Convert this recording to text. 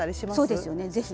そうですよね是非。